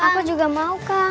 aku juga mau kak